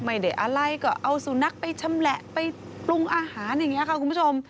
ไม่ได้อะไรก็เอาสุนัขไปชำแหละไปปรุงอาหารอย่างนี้ค่ะคุณผู้ชม